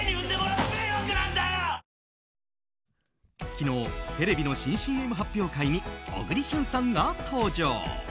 昨日テレビの新ＣＭ発表会に小栗旬さんが登場。